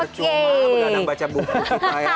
bukan baca buku kita ya